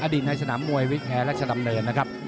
อดีตในสนามมวยวิทยาลักษณ์ดำเนินนะครับ